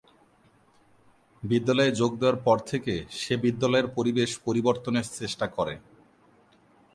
বিদ্যালয়ের যোগ দেয়ার পর থেকে সে বিদ্যালয়ের পরিবেশ পরিবর্তনের চেষ্টা করে।